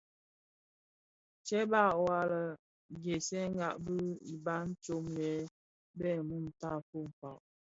Tsèba wua a ghèsèga iba tsom yè bheg mum tafog kpag.